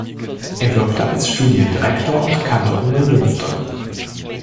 Er wirkte als Studiendirektor und Kantor in Neumünster.